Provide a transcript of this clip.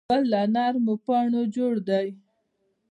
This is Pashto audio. ګل له نرمو پاڼو جوړ دی.